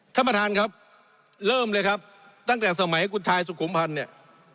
ท่านประธานครับเริ่มเลยครับตั้งแต่สมัยคุณชายสุขุมพันธ์เนี่ย